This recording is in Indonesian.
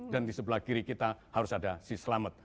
dan di sebelah kiri kita harus ada si selamat